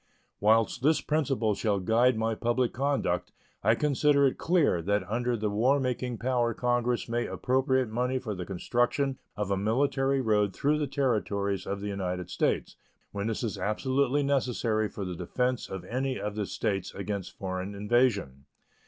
Whilst this principle shall guide my public conduct, I consider it clear that under the war making power Congress may appropriate money for the Construction of a military road through the Territories of the United States when this is absolutely necessary for the defense of any of the States against foreign invasion.